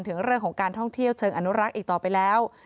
ถึงเรื่องของการท่องเที่ยวเชิงอนุรักษ์อีกต่อไปแล้ว